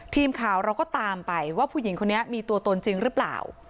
ทีมข่าวเราก็ตามไปว่าผู้หญิงคนนี้มีตัวตนจริงหรือเปล่า